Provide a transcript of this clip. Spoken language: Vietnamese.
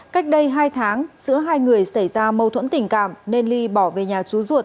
cách đây hai tháng giữa hai người xảy ra mâu thuẫn tình cảm nên ly bỏ về nhà chú ruột